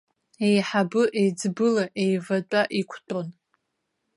Еиҳабы-еиҵбыла еиватәа иқәтәон.